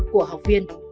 của học viên